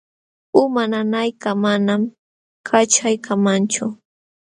Uma nanaykaq manam kaćhaykamanchu.